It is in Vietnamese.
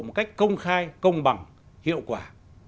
một cách công khai công bằng hiệu quả